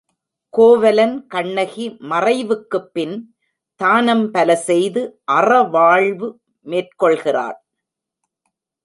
கோவலன் கண்ணகி மறைவுக்குப்பின் தானம் பல செய்து அறவாழ்வு மேற்கொள்கிறான்.